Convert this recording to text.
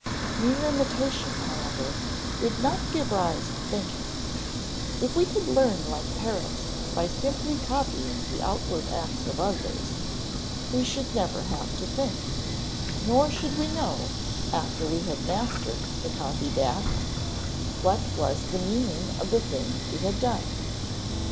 Mere imitation, however, would not give rise to thinking; if we could learn like parrots by simply copying the outward acts of others, we should never have to think; nor should we know, after we had mastered the copied act, what was the meaning of the thing we had done.